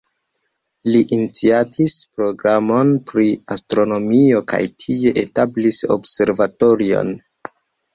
Li iniciatis programon pri astronomio kaj tie establis observatorion.